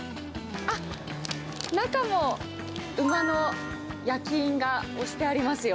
あっ、中も馬の焼き印が押してありますよ。